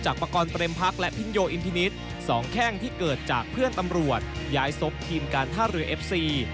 จากเพื่อนตำรวจย้ายศพทีมการท่าเรือเอฟซี